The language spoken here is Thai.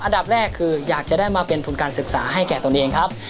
อันดับแรกคืออยากจะได้มาเป็นทุนการศึกษาให้แก่ตนเองครับ